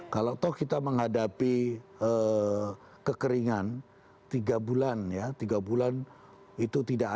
kalau kita menghadapi kekeringan tiga bulan ya tiga bulan itu tidak ada